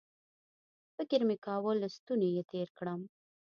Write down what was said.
فکر مې کاوه له ستوني یې تېر کړم